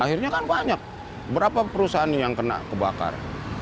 akhirnya kan banyak berapa perusahaan yang kena kebakar